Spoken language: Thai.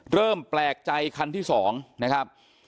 เริ่มแปลกใจคันที่๒นะครับ